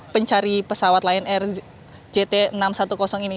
pencari pesawat lion air jt enam ratus sepuluh ini